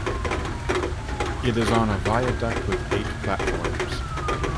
It is on a viaduct with eight platforms.